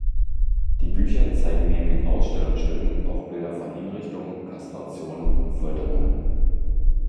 Die Bücher zeigen neben den Ausstellungsstücken auch Bilder von Hinrichtungen, Kastrationen und Folterungen.